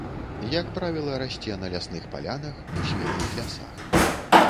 Як правіла расце на лясных палянах, у светлых лясах.